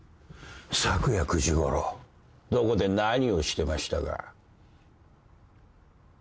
昨夜９時ごろどこで何をしてましたか？